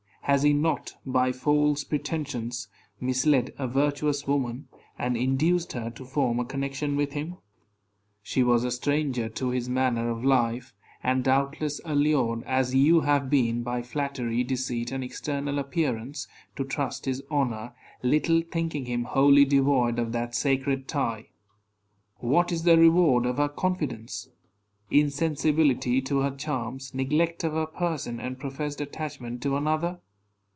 Has he not, by false pretensions, misled a virtuous woman, and induced her to form a connection with him? She was a stranger to his manner of life, and doubtless allured, as you have been, by flattery, deceit, and external appearance, to trust his honor, little thinking him wholly devoid of that sacred tie. What is the reward of her confidence? Insensibility to her charms, neglect of her person, and professed attachment to another!